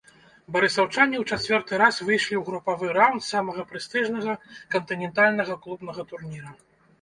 Барысаўчане ў чацвёрты раз выйшлі ў групавы раўнд самага прэстыжнага кантынентальнага клубнага турніра.